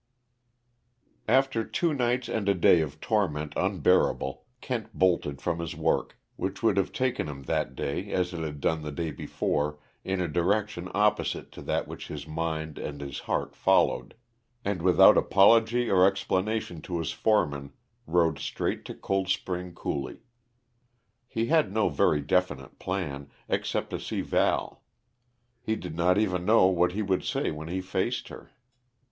After two nights and a day of torment unbearable, Kent bolted from his work, which would have taken him that day, as it had done the day before, in a direction opposite to that which his mind and his heart followed, and without apology or explanation to his foreman rode straight to Cold Spring Coulee. He had no very definite plan, except to see Val. He did not even know what he would say when he faced her.